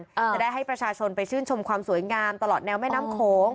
จะได้ให้ประชาชนไปชื่นชมความสวยงามตลอดแนวแม่น้ำโขง